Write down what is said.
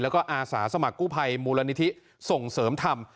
แล้วก็อาสาสมัครกู้ภัยมูลนิธิส่งเสริมธรรม